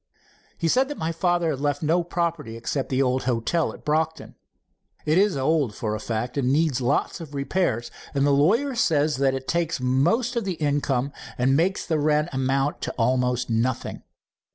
"He said that my father had left no property except the old hotel at Brocton. It is old, for a fact, and needs lots of repairs, and the lawyer says that this takes most of the income and makes the rent amount to almost nothing.